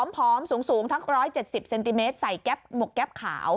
ผอมสูงทั้ง๑๗๐เซนติเมตรใส่หมวกแก๊ปขาว